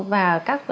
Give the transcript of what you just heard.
và uống kháng sinh